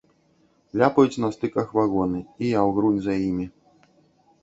Ляпаюць на стыках вагоны, і я ўгрунь за імі.